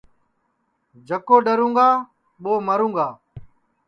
جکو ڈؔرُوں گا ٻو مرُوں گا